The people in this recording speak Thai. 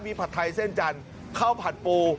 มีผัดไทยเส้นจันทร์ข้าวผัดปู